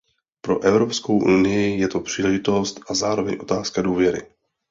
Pro Evropskou unii je to příležitost a zároveň otázka důvěry.